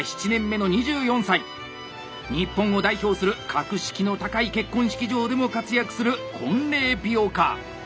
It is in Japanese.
日本を代表する格式の高い結婚式場でも活躍する婚礼美容家。